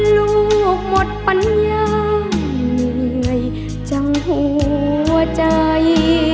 ลูกหมดปัญญาเหนื่อยจังหัวใจ